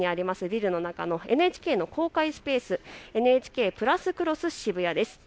ビルの中のＮＨＫの公開スペース、ＮＨＫプラスクロスＳＨＩＢＵＹＡです。